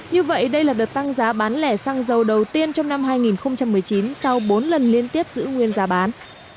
như vậy đây là đợt tăng giá bán lẻ xăng dầu đầu tiên trong năm hai nghìn một mươi chín sau bốn lần liên tiếp giữ nguyên giá bán